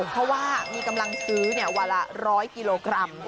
เพราะว่ามีกำลังซื้อวันละ๑๐๐กิโลกรัม